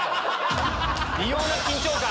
異様な緊張感！